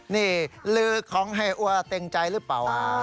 นี่ลือของไฮอัวเต็งใจหรือเปล่า